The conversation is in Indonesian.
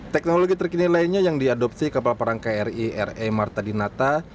teknologi terkini lainnya yang diadopsi kapal perang kri re marta dinata